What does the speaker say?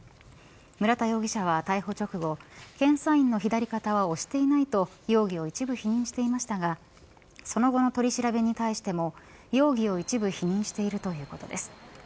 村田容疑者は逮捕直後検査員の左肩は押していないと容疑を一部否認していましたがその後の取り調べに対しても容疑を一部否認しているということです。